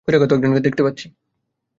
বহিরাগত একজনকে দেখতে পাচ্ছি।